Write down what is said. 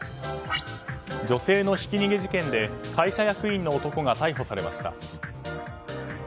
女性のひき逃げ事件で会社役員の男が逮捕されました。